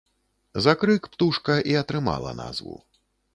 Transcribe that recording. За крык птушка і атрымала назву.